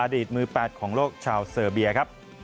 อดีตมือ๘ของโลกชาวเซอร์เบียครับ